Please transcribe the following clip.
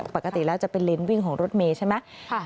ปกติแล้วจะเป็นเลนส์วิ่งของรถเมย์ใช่ไหม